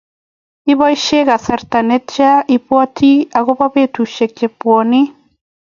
iposhe kasarta netia ibwoti akobo petushek che buoni